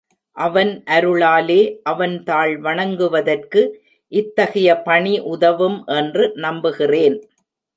அவன் அருளாலே அவன் தாள் வணங்குவதற்கு இத்தகைய பணி உதவும் என்று நம்புகிறேன்.